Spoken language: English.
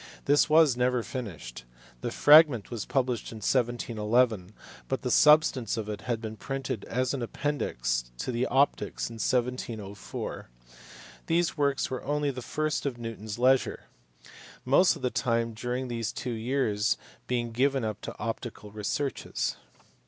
This was never finished: the fragment was published in 1711, but the substance of it had been printed as an appendix to the Optics in 1704. These works were only the fruit of Newton s leisure ; most of his time during these two years being given up to optical researches.